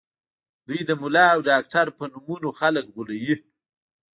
دوی د ملا او ډاکټر په نومونو خلک غولوي